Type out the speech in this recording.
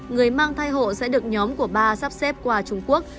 người mang thai hộ sẽ được nhóm của ba sắp xếp qua trung quốc